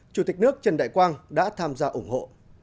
chủ tịch nước trần đại quang đã tham gia ủng hộ